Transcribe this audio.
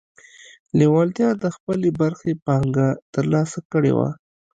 لېوالتیا د خپلې برخې پانګه ترلاسه کړې وه